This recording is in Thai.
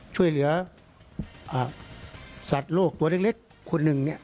ช่วยเหลือสัตว์โลกตัวเล็กคนหนึ่ง